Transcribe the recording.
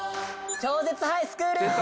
超絶ハイスクール！